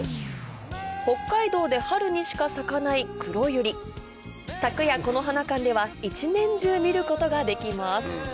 北海道で春にしか咲かないクロユリ「咲くやこの花館」では一年中見ることができます